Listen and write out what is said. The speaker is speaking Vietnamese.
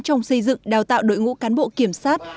trong xây dựng đào tạo đội ngũ cán bộ kiểm sát